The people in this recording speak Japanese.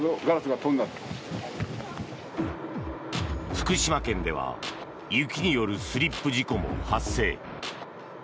福島県では雪によるスリップ事故も発生。